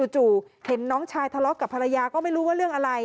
เห็นน้องชายทะเลาะกับภรรยาก็ไม่รู้ว่าเรื่องอะไร